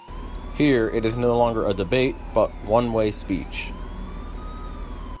Here it is no longer a debate but one way speech.